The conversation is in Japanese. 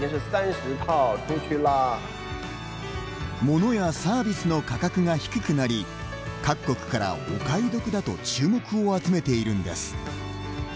ものやサービスの価格が低くなり、各国からお買い得だと注目を集めているんです。